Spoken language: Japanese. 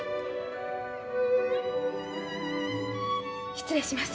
失礼します。